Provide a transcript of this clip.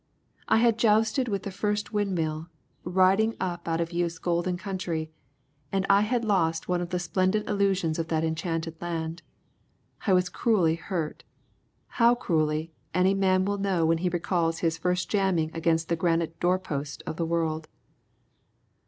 I had jousted with the first windmill, riding up out of youth's golden country, and I had lost one of the splendid illusions of that enchanted land. I was cruelly hurt. How cruelly, any man will know when he recalls his first jamming against the granite door posts of the world.